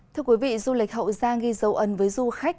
thưa quý vị du lịch hậu giang ghi dấu ấn với du khách